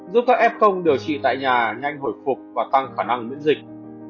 giúp các f công điều trị tại nhà nhanh hồi phục và tăng khả năng miễn dịch